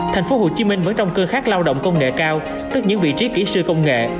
tp hcm vẫn trong cơn khát lao động công nghệ cao tức những vị trí kỹ sư công nghệ